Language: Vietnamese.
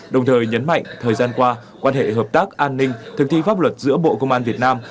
đồng thời nhấn mạnh thời gian qua quan hệ hợp tác an ninh thực thi pháp luật giữa bộ công an việt nam